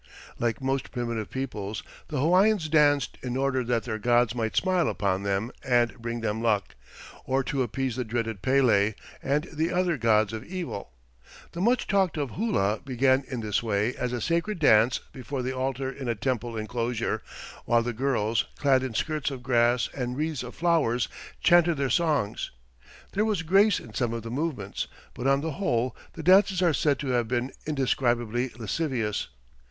Like most primitive peoples, the Hawaiians danced in order that their gods might smile upon them and bring them luck, or to appease the dreaded Pele and the other gods of evil. The much talked of hula began in this way as a sacred dance before the altar in a temple inclosure, while the girls, clad in skirts of grass and wreaths of flowers, chanted their songs. There was grace in some of the movements, but on the whole the dances are said to have been "indescribably lascivious."